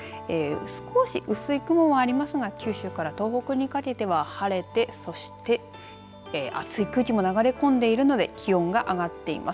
少し薄い雲はありますが九州から東北にかけては晴れて、そして暑い空気も流れ込んでいるので気温が上がっています。